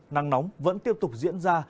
nắng nóng vẫn tiếp tục diễn ra